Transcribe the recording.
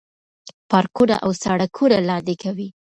پارکونه او سړکونه لاندې کوي.